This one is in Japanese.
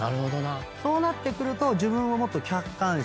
そうなってくると自分をもっと客観視してて違う。